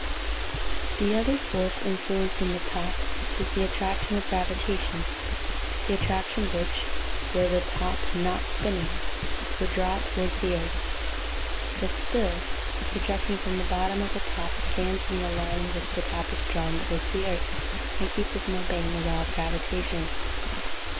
The other force influencing the top is the attraction of gravitation: the attraction which, were the top not spinning, would draw it towards the earth. The "spill" projecting from the bottom of the top stands in the line in which the top is drawn towards the earth and keeps it from obeying the law of gravitation.